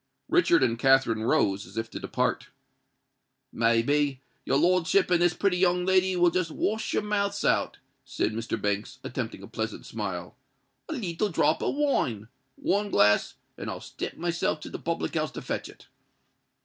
Richard and Katherine rose, as if to depart. "May be, your lordship and this pretty young lady will just wash your mouths out," said Mr. Banks, attempting a pleasant smile. "A leetle drop of wine—one glass; and I'll step myself to the public house to fetch it."